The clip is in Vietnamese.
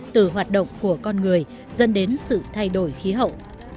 từ hoạt động của con người dân đến sự thay đổi khí hậu